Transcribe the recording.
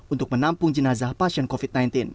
untuk menampung jenazah pasien covid sembilan belas